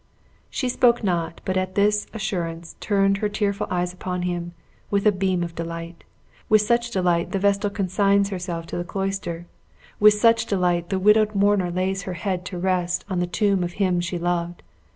She spoke not, but at this assurance turned her tearful eyes upon him, with a beam of delight; with such delight, the vestal consigns herself to the cloister; with such delight, the widowed mourner lays her head to rest on the tomb of him she loved.